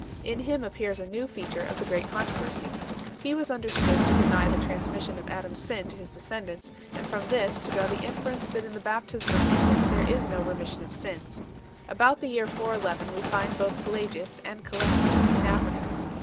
In him appears a new feature of the great controversy. He was understood to deny the transmission of Adam s sin to his descendants, and from this to draw the inference that in the baptism of infants there is no remission of sins 1 . About the year 411 we find both Pelagius and Cselestius in Africa.